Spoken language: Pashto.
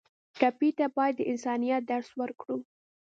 ټپي ته باید د انسانیت درس ورکړو.